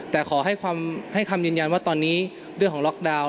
แต่ขอให้คำยืนยันว่าตอนนี้เรื่องของล็อกดาวน์